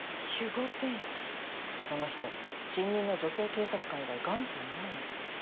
その人新任の女性警察官以外眼中にないの。